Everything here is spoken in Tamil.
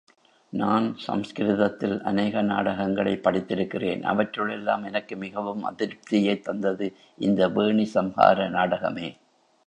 நான் சம்ஸ்கிருதத்தில் அநேக நாடகங்களைப் படித்திருக்கிறேன் அவற்றுளெல்லாம் எனக்கு மிகவும் அதிருப்தியைத் தந்தது இந்த வேணி சம்ஹார நாடகமே.